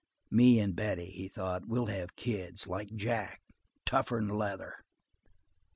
"Me and Betty," he thought, "we'll have kids, like Jack; tougher'n leather."